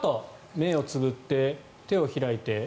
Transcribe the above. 目をつぶって手を開いて。